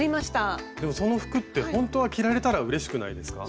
でもその服ってほんとは着られたらうれしくないですか？